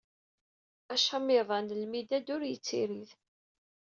Acamiḍ-a n lmidad ur yettirid.